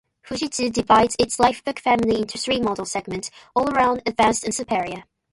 Fujitsu divides its Lifebook family into three model segments: all-round, advanced and superior.